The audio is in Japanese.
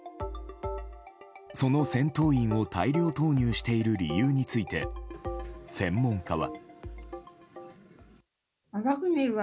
その戦闘員を大量投入している理由について専門家は。